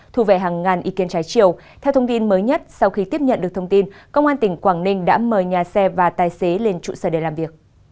thu về hàng ngàn ý kiến trái chiều theo thông tin mới nhất sau khi tiếp nhận được thông tin công an tỉnh quảng ninh đã mời nhà xe và tài xế lên trụ sở để làm việc